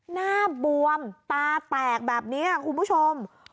หน้าบวมตาแตกแบบนี้คุณผู้ชม